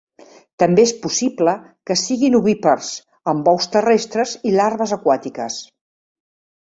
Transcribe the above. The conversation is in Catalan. També és possible que siguin ovípars, amb ous terrestres i larves aquàtiques.